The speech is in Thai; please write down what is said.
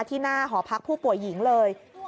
ที่หน้าหอพักผู้ป่วยหญิงเลย